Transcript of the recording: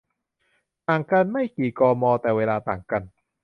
ห่างกันไม่กี่ กม แต่เวลาต่างกัน